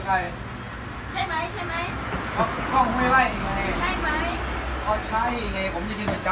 ก็คิดอยู่ว่าใช่ใช่ไหม